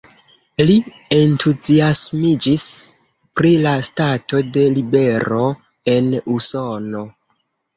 Li entuziasmiĝis pri la stato de libero en Usono.